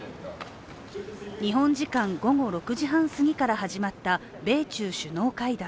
日本時間午後６時半すぎから始まった米中首脳会談。